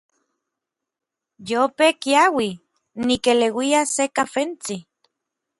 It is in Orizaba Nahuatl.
Yope kiaui, nikeleuia se kafentsi.